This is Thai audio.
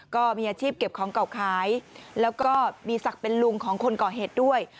ก็มีอาชีพเก็บของเก่าขายแล้วก็มีศักดิ์เป็นลุงของคนก่อเหตุด้วย